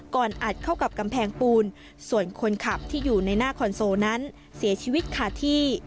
อัดเข้ากับกำแพงปูนส่วนคนขับที่อยู่ในหน้าคอนโซลนั้นเสียชีวิตขาดที่